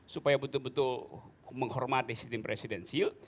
supaya betul betul menghormati sistem presidensil